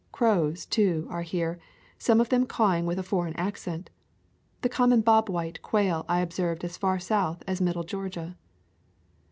Crows, too, are here, some of them cawing with a foreign accent. The common bob white quail I observed as far south as middle Georgia.